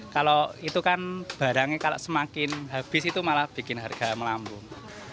kalau itu kan barangnya kalau semakin habis itu malah bikin harga melambung